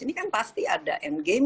ini kan pasti ada end game